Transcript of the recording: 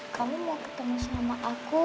kamu gak ketemu sama aku